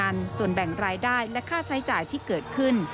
ส่วนแบ่งรายได้และค่าใช้จ่ายที่เกิดขึ้น